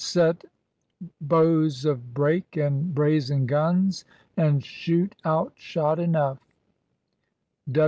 Set bows of brake and brazen guns And shoot out shot enough.